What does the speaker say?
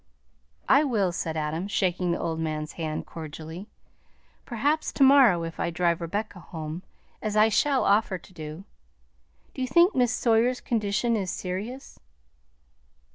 "I will," said Adam, shaking the old man's hand cordially; "perhaps to morrow if I drive Rebecca home, as I shall offer to do. Do you think Miss Sawyer's condition is serious?"